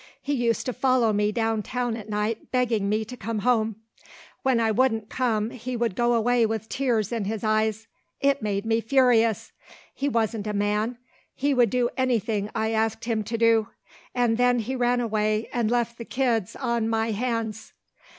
He used to follow me down town at night begging me to come home. When I wouldn't come he would go away with tears in his eyes. It made me furious. He wasn't a man. He would do anything I asked him to do. And then he ran away and left the kids on my hands."